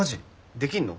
できんの？